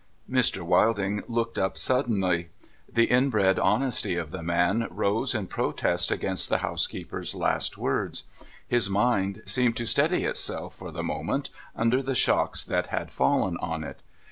Mr. Wilding looked up suddenly. The inbred honesty of the man rose in protest against the housekeeper's last words. His mind seemed to steady itself, for the moment, under the shock that had fallen on it.